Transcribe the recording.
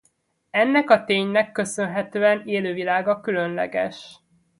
Ennek a ténynek köszönhetően élővilága különleges.